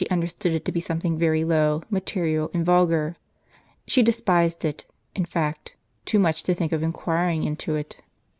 understood it to be something very low, material, and vulgar. She despised it, in fact, too much to think of inquiring into it.